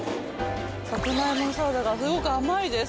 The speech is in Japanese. サツマイモのサラダがすごく甘いです。